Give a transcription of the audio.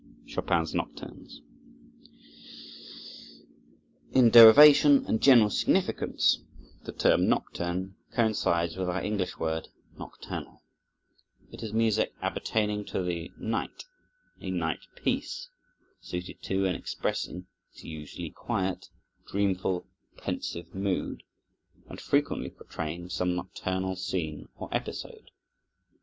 Chopin's Nocturnes In derivation and general significance the term nocturne coincides with our English word nocturnal. It is music appertaining to the night, a night piece, suited to and expressing its usually quiet, dreamful, pensive mood, and frequently portraying some nocturnal scene or episode.